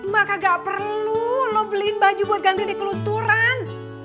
mak kagak perlu lu beliin baju buat ganti di kelunturan